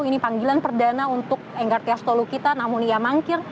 ini panggilan perdana untuk enggartia stolokita namun ia mangkir